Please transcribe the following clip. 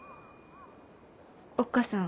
おっ母さん。